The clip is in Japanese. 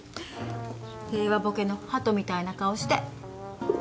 平和ボケのハトみたいな顔して